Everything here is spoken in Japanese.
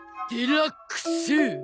デラックス。